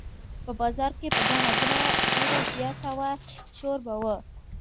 په بازار کې به ګڼه ګوڼه ډېره زیاته وه شور به و.